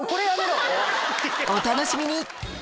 お楽しみに！